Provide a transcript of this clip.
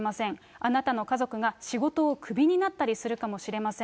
あなたの家族が仕事をクビになったりするかもしれません。